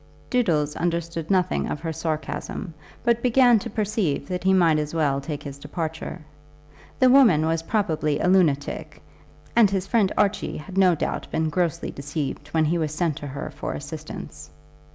Doodles understood nothing of her sarcasm, but began to perceive that he might as well take his departure. The woman was probably a lunatic, and his friend Archie had no doubt been grossly deceived when he was sent to her for assistance.